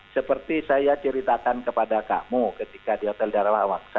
seperti saya ceritakan kepada kamu ketika di hotel darawak